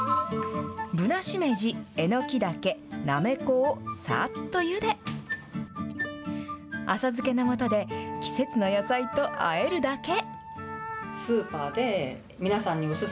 ぶなしめじ、えのきだけ、なめこをさっとゆで、浅漬けのもとで季節の野菜とあえるだけ。